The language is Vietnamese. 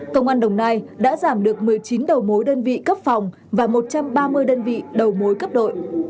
công an đồng nai đã giảm được một mươi chín đầu mối đơn vị cấp phòng và một trăm ba mươi đơn vị đầu mối cấp đội